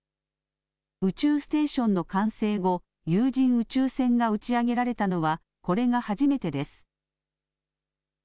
宇宙ステーションの完成後、有人宇宙船が打ち上げられたのはこれが初めてです。